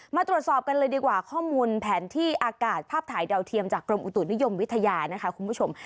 มาตรวจสอบกันเลยดีกว่าข้อมูลแผนที่อากาศภาพถ่ายดาวเทียมจากกรมอุตุนิยมวิทยานะคะคุณผู้ชม